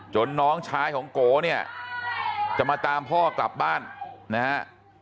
น้องชายของโกเนี่ยจะมาตามพ่อกลับบ้านนะฮะ